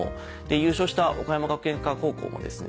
優勝した岡山学芸館高校もですね